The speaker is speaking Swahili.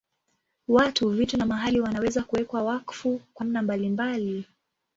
Watu, vitu na mahali wanaweza kuwekwa wakfu kwa namna mbalimbali.